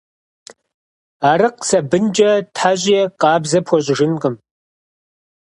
Арыкъ сабынкӀэ тхьэщӀи къабзэ пхуэщӀыжынкъым.